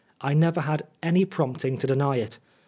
I never had any prompting to deny it.